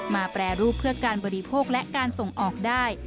แปรรูปเพื่อการบริโภคและการส่งออกได้